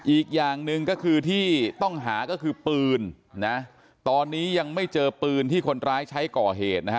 อีกอย่างหนึ่งก็คือที่ต้องหาก็คือปืนนะตอนนี้ยังไม่เจอปืนที่คนร้ายใช้ก่อเหตุนะฮะ